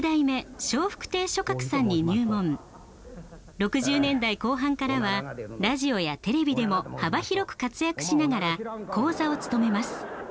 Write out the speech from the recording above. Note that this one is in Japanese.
６０年代後半からはラジオやテレビでも幅広く活躍しながら高座を務めます。